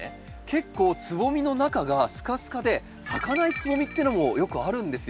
結構つぼみの中がスカスカで咲かないつぼみっていうのもよくあるんですよ。